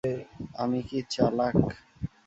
আমি কি চালাক।